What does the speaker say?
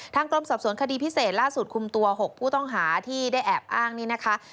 กรมสอบสวนคดีพิเศษล่าสุดคุมตัว๖ผู้ต้องหาที่ได้แอบอ้างนี้นะคะ